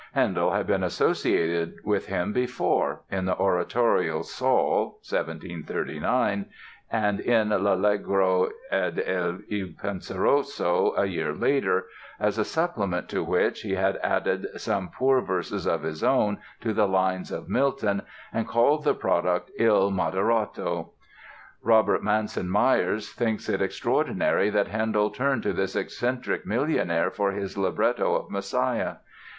Handel had been associated with him before—in the oratorio, "Saul" (1739), and in "L'Allegro ed Il Penseroso" a year later, as a supplement to which he had added some poor verses of his own to the lines of Milton and called the product "Il Moderato." Robert Manson Myers thinks it "extraordinary that Handel turned to this eccentric millionaire for his libretto of 'Messiah'."